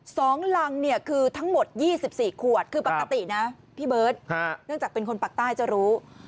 สองรังเนี่ยคือทั้งหมดยี่สิบสี่ขวดคือปกตินะพี่เบิร์ตเนื่องจากเป็นคนปากใต้จะรู้